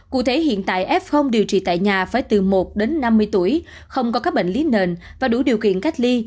cụ thể hiện tại f điều trị tại nhà phải từ một đến năm mươi tuổi không có các bệnh lý nền và đủ điều kiện cách ly